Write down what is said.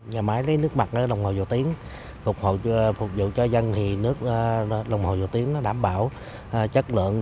nhà máy lấy nước mặt ở đồng hồ dầu tiến phục vụ cho dân thì nước đồng hồ dầu tiến đảm bảo chất lượng